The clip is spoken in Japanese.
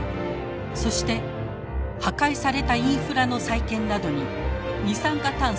そして破壊されたインフラの再建などに二酸化炭素